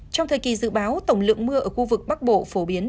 trong thời kỳ dự báo tổng lượng mưa ở khu vực bắc bộ phổ biến